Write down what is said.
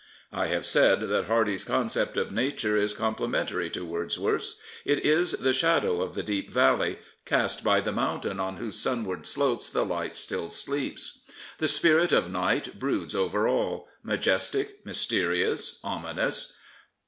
I have said that Hardy's concept of nature is com plementary to Wordsworth's, It is the shadow of the deep valley, cast by the mountain on whose sun ward slopes the light still sleeps. The spirit of Night broods over all — majestic, mysterious, ominous.